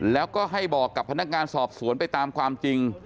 แล้วก็ให้บอกกับพนักงานสอบสวนไปตามความจริง